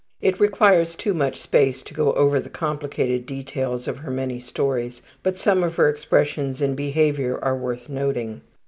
It requires too much space to go over the complicated details of her many stories, but some of her expressions and behavior are worth noting.